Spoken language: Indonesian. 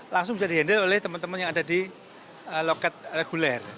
langsung bisa di handle oleh teman teman yang ada di loket reguler